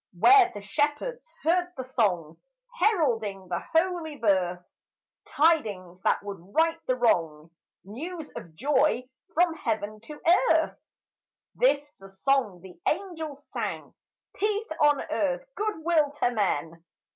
Where the shepherds heard the song Heralding the holy birth, Tidings that would right the wrong, News of joy from heaven to earth. This the song the angels sang: "Peace on earth, good will to men."